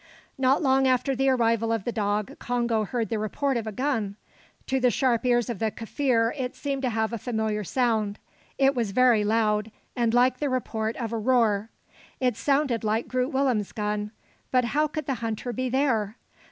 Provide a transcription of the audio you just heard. Not long after the arrival of the dog, Congo heard the report of a gun. To the sharp ears of the Kaffir it seemed to have a familiar sound. It was very loud, and like the report of a roer. It sounded like Groot Willem's gun, but how could the hunter be there?